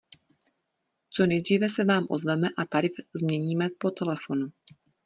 Co nejdříve se vám ozveme a tarif změníme po telefonu.